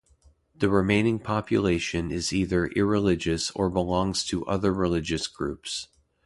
The remaining population is either irreligious or belongs to other religious groups.